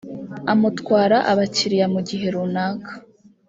amutwara abakiriya mu gihe runaka